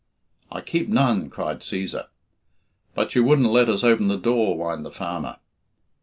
"I keep none," cried Cæsar. "But you wouldn't let us open the door," whined the farmer.